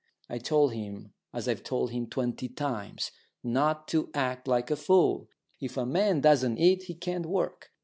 I told him, as I've told him twenty times, not to act like a fool. If a man doesn't eat, he can't work.